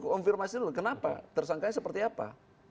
konfirmasi dulu kenapa tersangkanya seperti apa